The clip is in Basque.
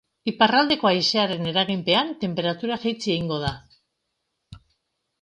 Iparraldeko haizearen eraginpean, tenperatura jaitsi egingo da.